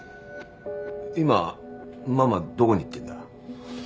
今ママどこに行ってんだ？